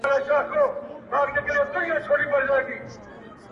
د کنګل شویو پیسو ازادول